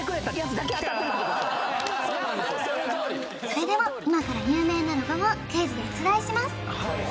それでは今から有名なロゴをクイズで出題します